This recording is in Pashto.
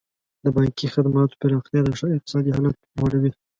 د بانکي خدماتو پراختیا د ښار اقتصادي فعالیت لوړوي.